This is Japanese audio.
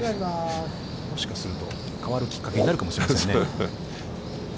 もしかすると、変わるきっかけになるかもしれませんね。